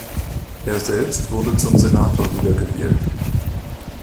Er selbst wurde zum Senator wiedergewählt.